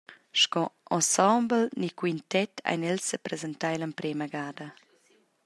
Sco ensemble ni quintet ein els sepresentai l’emprema gada.